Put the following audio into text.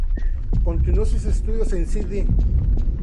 Continuó sus estudios en Cd.